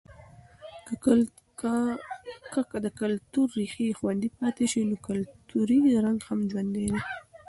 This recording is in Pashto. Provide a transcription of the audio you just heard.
که که د کلتور ریښې خوندي پاتې شي، نو کلتوری رنګ هم ژوندی دی.